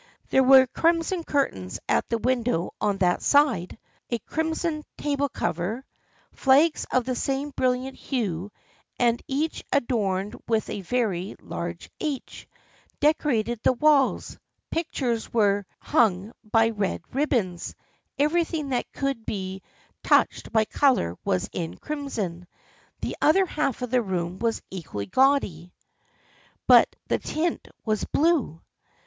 There were crimson curtains at the window on that side, a crimson table cover, flags of the same brilliant hue, and each adorned with a very large H, decorated the walls, pictures were hung by red ribbons, everything that could be touched by color was in crimson. The other half of the room was equally gaudy, but the tint was blue.